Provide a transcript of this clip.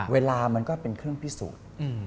เวลามันก็เป็นเครื่องพิสูจน์